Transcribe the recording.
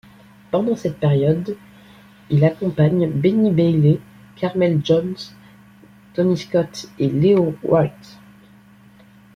Pendant cette période il accompagne Benny Bailey, Carmell Jones, Tony Scott et Leo Wright.